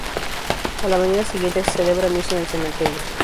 A la mañana siguiente se celebra misa en el cementerio.